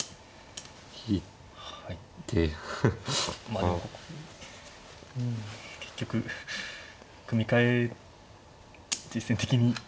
まあでも結局組み替え実戦的に。